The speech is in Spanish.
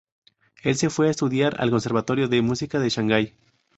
Él se fue a estudiar al Conservatorio de Música de Shangai.